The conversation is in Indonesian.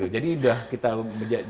jadi ini berarti